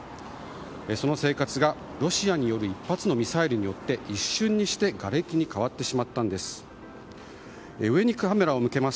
その生活がロシアによる１発のミサイルによって一瞬にしてがれきに変わってしまったんです。